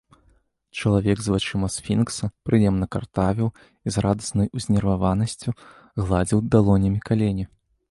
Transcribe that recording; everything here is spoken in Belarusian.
Чалавек з вачыма сфінкса прыемна картавіў і з радаснай узнерваванасцю гладзіў далонямі калені.